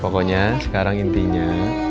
pokoknya sekarang intinya